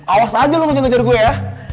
awas aja loh ngejar ngejar gue ya